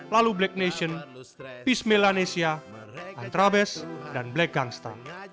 lalu black nation pismelanesia antrabes dan black gangsta